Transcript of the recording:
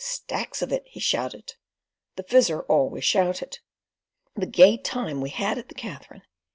Stacks of it" he shouted. The Fizzer always shouted. "The gay time we had at the Katherine!